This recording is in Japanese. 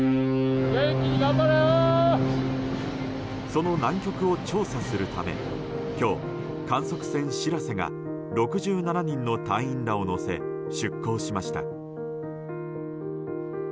その南極を調査するため今日、観測船「しらせ」が６７人の隊員らを乗せ出港しました。